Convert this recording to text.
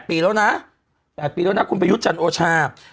๘ปีแล้วนะคุณประยุทธ์จันทร์โอชาภ